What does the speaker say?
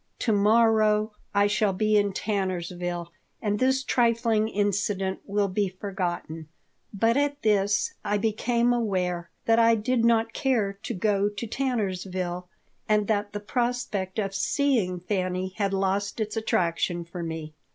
"To morrow I shall be in Tannersville and this trifling incident will be forgotten." But at this I became aware that I did not care to go to Tannersville and that the prospect of seeing Fanny had lost its attraction for me.